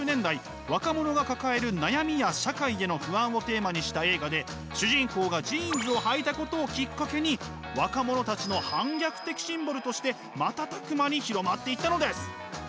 若者が抱える「悩み」や「社会への不安」をテーマにした映画で主人公がジーンズをはいたことをきっかけに若者たちの反逆的シンボルとして瞬く間に広まっていったのです。